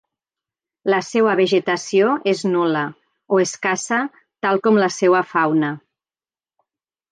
La seua vegetació és nul·la o escassa tal com la seua fauna.